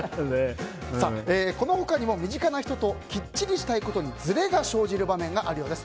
この他にも身近な人ときっちりしたいことにずれが生じる場面があるようです。